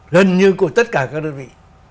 gần như của tất cả các đơn vị